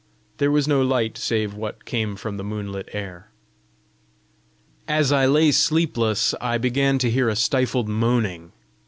There was no light save what came from the moonlit air. As I lay sleepless, I began to hear a stifled moaning.